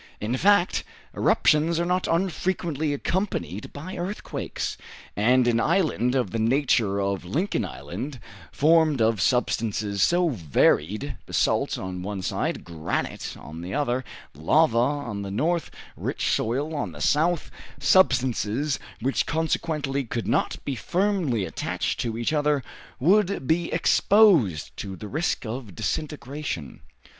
In fact, eruptions are not unfrequently accompanied by earthquakes; and an island of the nature of Lincoln Island, formed of substances so varied, basalt on one side, granite on the other, lava on the north, rich soil on the south, substances which consequently could not be firmly attached to each other, would be exposed to the risk of disintegration.